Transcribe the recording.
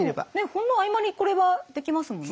ほんの合間にこれはできますもんね。